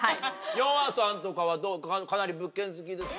ヨンアさんとかはかなり物件好きですか？